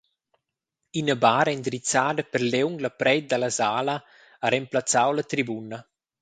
Ina bar endrizzada perliung la preit dalla sala ha remplazzau la tribuna.